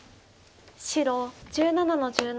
白１７の十七。